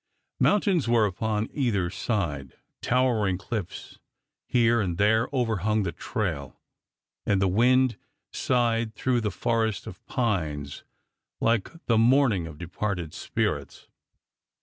Mountains were upon either side, towering cliffs here and there overhung the trail, and the wind sighed through the forest of pines like the mourning of departed spirits.